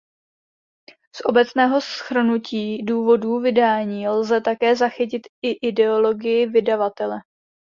Z obecného shrnutí důvodů vydání lze také zachytit i ideologii vydavatele.